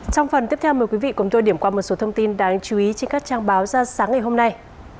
trong phần tiếp theo mời quý vị cùng tôi điểm qua một số thông tin đáng chú ý trên các trang báo ra sáng ngày hôm nay